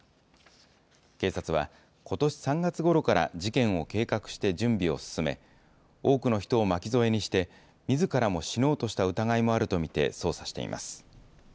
警察は、ことし３月ごろから事件を計画して準備を進め、多くの人を巻き添えにして、みずからも死のうとした疑いもあると見て、捜査しています。